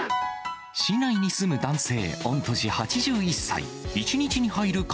市内に住む男性、御年８１歳。